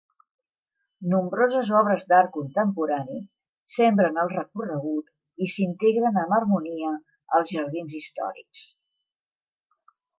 Nombroses obres d'art contemporani sembren el recorregut i s'integren amb harmonia als jardins històrics.